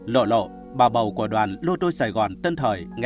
lộ lộ bà bầu của đoàn nữ diễn viên kha ly cũng mong đàn chị yên nghỉ